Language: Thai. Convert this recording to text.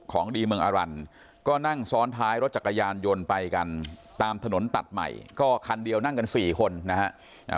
ของดีเมืองอรันก็นั่งซ้อนท้ายรถจักรยานยนต์ไปกันตามถนนตัดใหม่ก็คันเดียวนั่งกันสี่คนนะฮะ